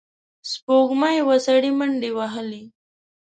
سپوږمۍ وه، سړی منډې وهلې.